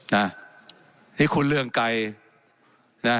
ให้คุณเริ่มไกร